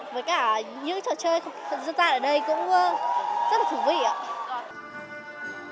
với cả những trò chơi dân gian ở đây cũng rất là thú vị ạ